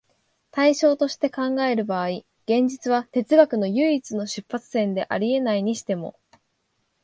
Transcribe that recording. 対象として考える場合、現実は哲学の唯一の出発点であり得ないにしても、